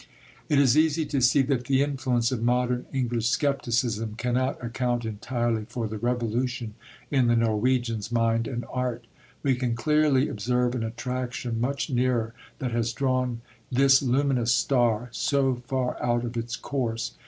It is easy to see that the influence of modern English scepticism cannot account entirely for the revolution in the Norwegian's mind and art. We can clearly observe an attraction much nearer, that has drawn this luminous star so far out of its course.